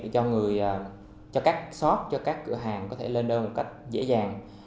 cho người cho các shop cho các cửa hàng có thể lên đây một cách dễ dàng